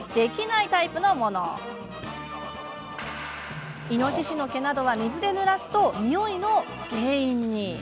いのししの毛などは水でぬらすとにおいの原因に。